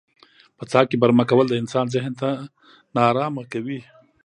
په څاه کې برمه کول د انسان ذهن نا ارامه کوي.